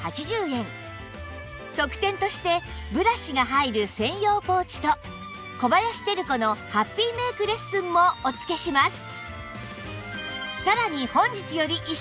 特典としてブラシが入る専用ポーチと小林照子のハッピーメイクレッスンもお付けします